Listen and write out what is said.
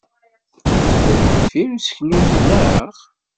Teffrem deffir useklu-nni, naɣ?